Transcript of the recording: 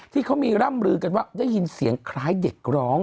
ที่เขามีร่ำลือกันว่าได้ยินเสียงคล้ายเด็กร้อง